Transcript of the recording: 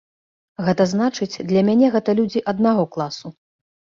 Гэта значыць, для мяне гэта людзі аднаго класу.